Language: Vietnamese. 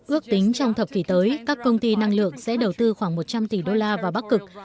ước tính trong thập kỷ tới các công ty năng lượng sẽ đầu tư khoảng một trăm linh tỷ đô la vào bắc cực